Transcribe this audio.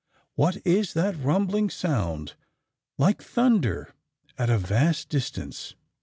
what is that rumbling sound—like thunder at a vast distance?